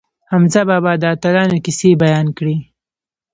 حمزه بابا د اتلانو کیسې بیان کړې.